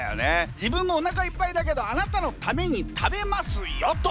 自分もおなかいっぱいだけどあなたのために食べますよと。